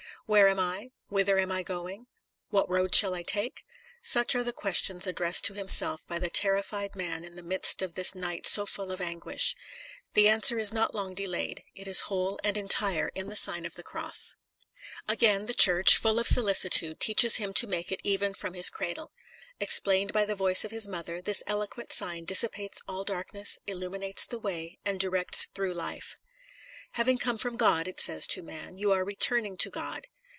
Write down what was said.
Where am I? Whither am I going? What road shall I take ? Such are the ques tions addressed to himself by the terrified man in the midst of this night so full of anguish. The answer is not long delayed ; it is whole and entire in the Sign of the Cross. Again, the Church, full of solicitude, teaches him to make it even from his cradle. Ex plained by the vohe of his mother, this elo In the Nineteenth Century. 273 quent sign dissipates all darkness, illuminates the way, and directs through life. " Having come from God," it says to man, "you are returning to God.